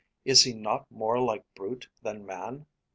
Is he Not more like brute than man?